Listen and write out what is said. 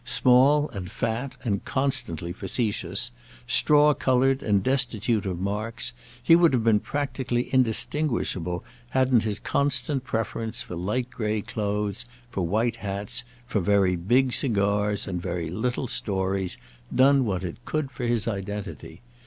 Small and fat and constantly facetious, straw coloured and destitute of marks, he would have been practically indistinguishable hadn't his constant preference for light grey clothes, for white hats, for very big cigars and very little stories, done what it could for his identity.